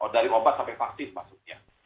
dari obat sampai vaksin maksudnya